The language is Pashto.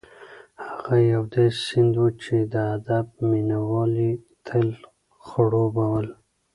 هغه یو داسې سیند و چې د ادب مینه وال یې تل خړوبول.